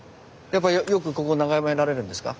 やっぱよくここ眺められるんですか？